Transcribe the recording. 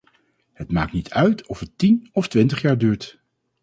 Het maakt niet uit of het tien of twintig jaar duurt.